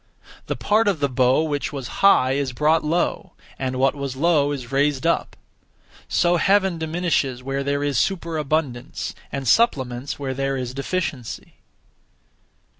The (part of the bow) which was high is brought low, and what was low is raised up. (So Heaven) diminishes where there is superabundance, and supplements where there is deficiency.